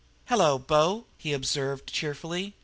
"Hello, bo!" he observed cheerfully.